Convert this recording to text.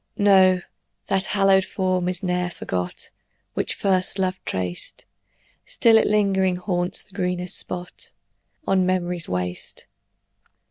No, that hallowed form is ne'er forgot Which first love traced; Still it lingering haunts the greenest spot On memory's waste.